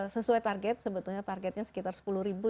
sesuai target sebetulnya targetnya sekitar sepuluh ribu